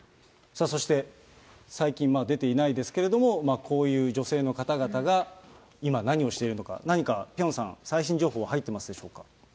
そして、最近出ていないですけれども、こういう女性の方々が今何をしているのか、何かピョンさん、最新情報入ってますでしょうか。